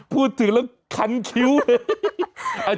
พูดถึงแล้วคันคิ้วเลย